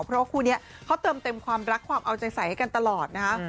เพราะว่าคู่นี้เขาเติมเต็มความรักความเอาใจใส่ให้กันตลอดนะคะ